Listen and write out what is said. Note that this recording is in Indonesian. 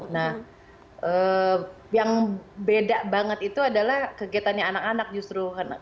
nah yang beda banget itu adalah kegiatannya anak anak justru